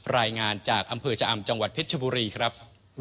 รายงานจากอำเภอชะอำจังหวัดเพชรชบุรีครับ